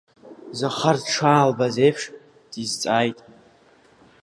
Захар дшаалбаз еиԥш дизҵааит…